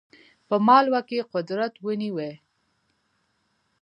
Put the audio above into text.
په مالوه کې قدرت ونیوی.